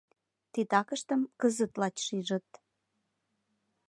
Титакыштым кызыт лач шижыт.